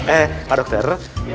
eh pak dokter